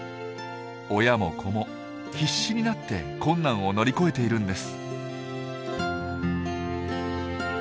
親も子も必死になって困難を乗り越えているんです。